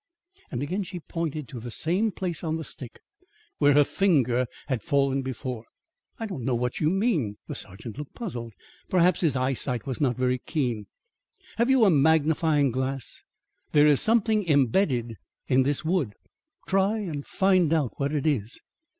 And again she pointed to the same place on the stick where her finger had fallen before. "I don't know what you mean." The sergeant looked puzzled. Perhaps, his eyesight was not very keen. "Have you a magnifying glass? There is something embedded in this wood. Try and find out what it is."